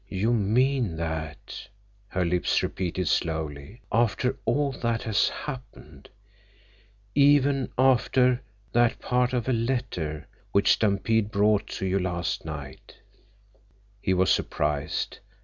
"You mean that," her lips repeated slowly, "after all that has happened—even after—that part of a letter—which Stampede brought to you last night—" He was surprised.